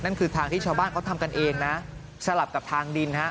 คือทางที่ชาวบ้านเขาทำกันเองนะสลับกับทางดินฮะ